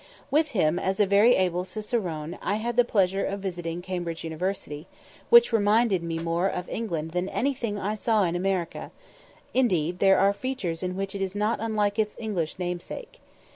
With him as a very able cicerone I had the pleasure of visiting Cambridge University, which reminded me more of England than anything I saw in America; indeed there are features in which it is not unlike its English name sake.